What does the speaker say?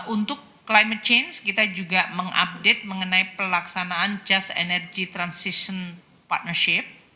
untuk climate change kita juga mengupdate mengenai pelaksanaan just energy transition partnership